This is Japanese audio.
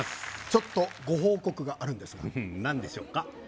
ちょっとご報告があるんですが何でしょうか？